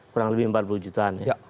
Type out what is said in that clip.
kurang lebih empat puluh jutaan ya